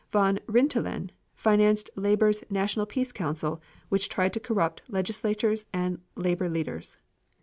Von Rintelen financed Labor's National Peace Council, which tried to corrupt legislators and labor leaders.